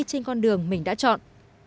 trên con đường mình đã chọn